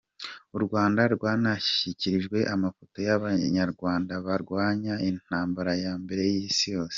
U Rwanda rwanashyikirijwe amafoto y’Abanyarwanda barwanye intambara ya mbere y’Isi yose.